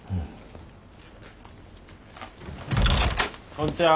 こんちは。